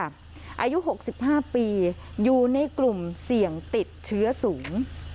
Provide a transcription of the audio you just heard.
อายุ๖๕ปีอยู่ในกลุ่มเสี่ยงติดเชื้อสูง